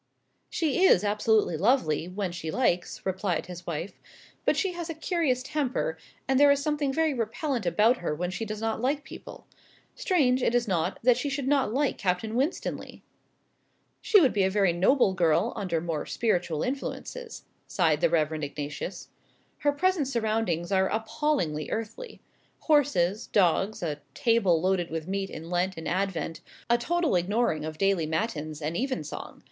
"She is absolutely lovely, when she likes," replied his wife; "but she has a curious temper; and there is something very repellent about her when she does not like people. Strange, is it not, that she should not like Captain Winstanley?" "She would be a very noble girl under more spiritual influences," sighed the Reverend Ignatius. "Her present surroundings are appallingly earthly. Horses, dogs, a table loaded with meat in Lent and Advent, a total ignoring of daily matins and even song.